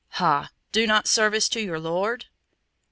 "Ha! not do service to your Lord?"